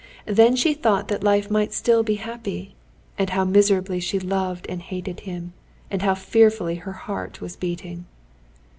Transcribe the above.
Then she thought that life might still be happy, and how miserably she loved and hated him, and how fearfully her heart was beating.